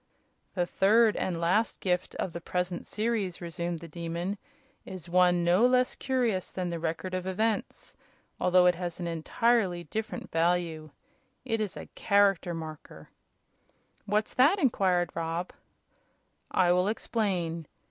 "The third and last gift of the present series," resumed the Demon, "is one no less curious than the Record of Events, although it has an entirely different value. It is a Character Marker." "What's that?" inquired Rob. "I will explain.